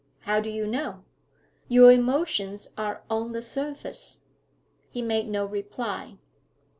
'How do you know?' 'Your emotions are on the surface.' He made no reply.